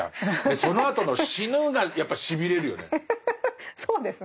そのあとの「死ぬ」がやっぱしびれるよね。